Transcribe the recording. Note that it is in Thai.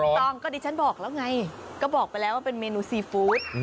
ต้องก็ดิฉันบอกแล้วไงก็บอกไปแล้วว่าเป็นเมนูซีฟู้ด